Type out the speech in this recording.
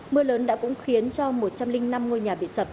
mưa lớn đã cũng khiến cho một trăm linh năm ngôi nhà bị sập